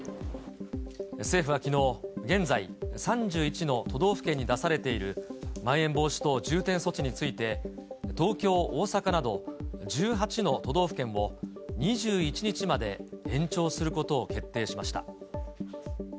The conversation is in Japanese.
政府はきのう、現在３１の都道府県に出されているまん延防止等重点措置について、東京、大阪など、１８の都道府県も２１日まで延長することを決定しました。